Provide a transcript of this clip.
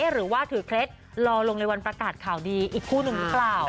หรือว่าถือเคล็ดรอลงในวันประกาศข่าวดีอีกคู่หนึ่งหรือเปล่า